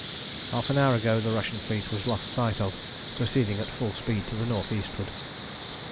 Half an hour ago the Russian fleet was lost sight of proceeding at full speed to the north eastward.